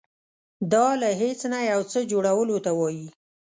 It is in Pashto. دا له هیڅ نه یو څه جوړولو ته وایي.